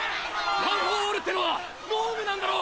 ワン・フォー・オールってのは脳無なんだろ！？